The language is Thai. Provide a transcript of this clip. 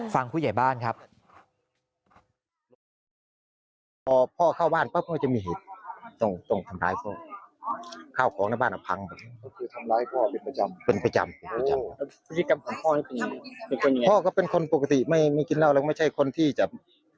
ผู้ใหญ่บ้านครับ